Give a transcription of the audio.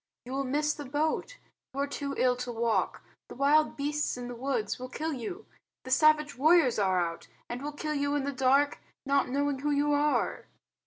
You will miss the boat. You are too ill to walk. The wild beasts in the woods will kill you. The savage warriors are out, and will kill you in the dark not knowing who you are."